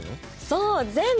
そう全部。